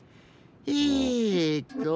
えっと。